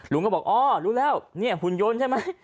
ลุงก็บอกอ๋อรู้แล้วนี่หุ่นยนต์ใช่ไหม